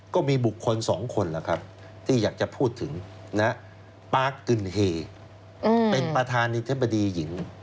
ก็มีบุคคล๒คนล่ะครับที่อยากจะพูดถึงปาร์คกึนเฮเป็นประธานิทบดีหญิง